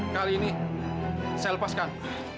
kali ini saya lepaskan